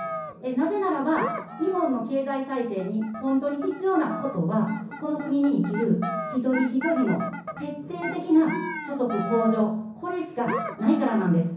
なぜならば、日本の経済再生に、本当に必要なことは、この国に生きる一人一人の徹底的な所得向上、これしかないからなんです。